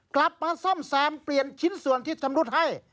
กลับมาซ่อมแซมเปลี่ยนชิ้นส่วนที่ชำรุดให้